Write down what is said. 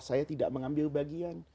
saya tidak mengambil bagian